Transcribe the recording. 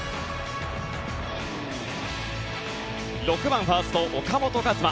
６番ファースト、岡本和真。